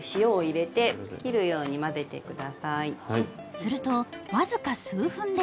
すると僅か数分で。